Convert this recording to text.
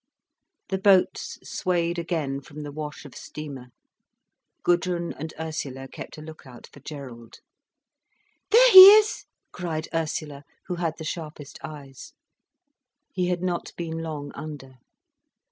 The boats swayed again from the wash of steamer. Gudrun and Ursula kept a look out for Gerald. "There he is!" cried Ursula, who had the sharpest eyes. He had not been long under.